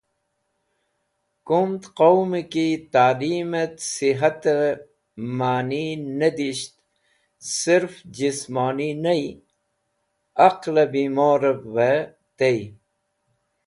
Kumd qowmẽ ki talimẽt sihatẽ mani ne disht sirf jismoni ney, aqlẽ bimorẽv bẽ tey.